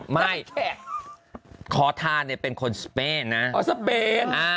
ไม่ขอทานเนี่ยเป็นคนสเปนนะขอสเปน